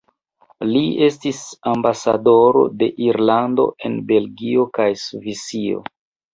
Li estis ambasadoro de Irlando en Belgio kaj Svisio.